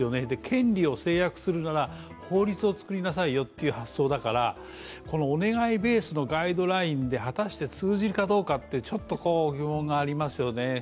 権利を制約するなら、法律を作りなさいよっていう発想だからお願いベースのガイドラインで果たして通じるかどうかちょっと疑問がありますよね。